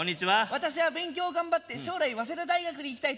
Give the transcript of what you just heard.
私は勉強を頑張って将来早稲田大学に行きたいと思っております。